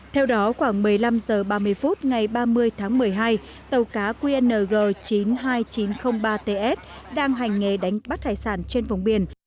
theo đó khoảng một mươi năm h ba mươi phút ngày ba mươi tháng một mươi hai tàu cá qng chín mươi hai nghìn chín trăm linh ba ts đang hành nghề đánh bắt hải sản trên vùng biển